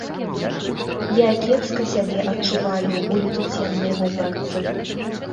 Я кепска сябе адчуваю ў летуценнай вопратцы.